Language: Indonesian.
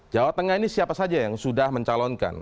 jawa tengah ini siapa saja yang sudah mencalonkan